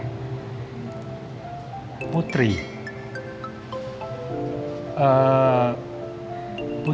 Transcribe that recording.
lembab buat lo rasanya nurut